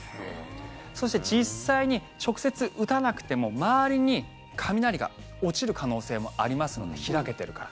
そして実際に直接打たなくても周りに雷が落ちる可能性もありますので、開けてるから。